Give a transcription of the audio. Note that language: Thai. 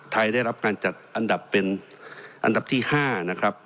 ได้รับการจัดอันดับเป็นอันดับที่๕นะครับ